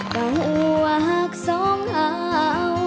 ก็หัวสองเก่า